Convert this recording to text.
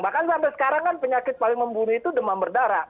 bahkan sampai sekarang kan penyakit paling membunuh itu demam berdarah